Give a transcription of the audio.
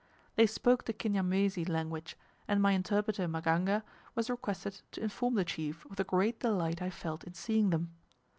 They spoke the Kinyamwezi language, and my interpreter Maganga was requested to inform the chief of the great delight I felt in seeing them.